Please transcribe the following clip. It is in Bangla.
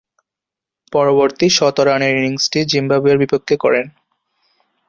পরবর্তী শতরানের ইনিংসটি জিম্বাবুয়ের বিপক্ষে করেন।